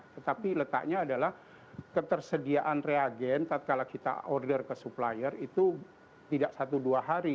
tetapi letaknya adalah ketersediaan reagen tak kalah kita order ke supplier itu tidak satu dua hari